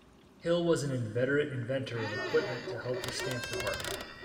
Hill was an inveterate inventor of equipment to help the stamp department.